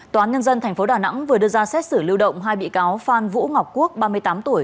tòa án nhân dân tp đà nẵng vừa đưa ra xét xử lưu động hai bị cáo phan vũ ngọc quốc ba mươi tám tuổi